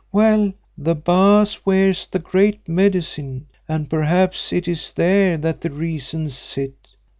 Well, the Baas wears the Great Medicine and perhaps it is there that the reasons sit.